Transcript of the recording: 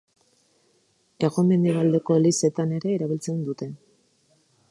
Hego-mendebaldeko elizetan ere erabiltzen dute.